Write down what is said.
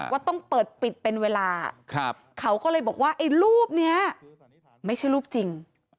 ว่าต้องเปิดปิดเป็นเวลาเขาก็เลยบอกว่าไอ้รูปนี้ไม่ใช่รูปจริง